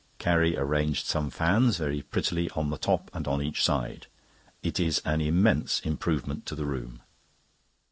Carrie arranged some fans very prettily on the top and on each side. It is an immense improvement to the room.